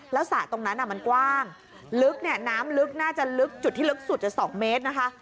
แล้วสระตรงนั้นมันกว้างลึกเนี่ยน้ำลึกน่าจะลึกจุดที่ลึกสุดจะ๒เมตรนะคะ